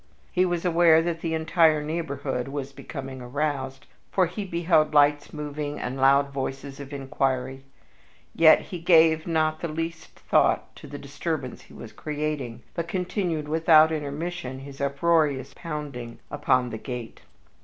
He was aware that the entire neighborhood was becoming aroused, for he beheld lights moving and loud voices of inquiry; yet he gave not the least thought to the disturbance he was creating, but continued without intermission his uproarious pounding upon the gate.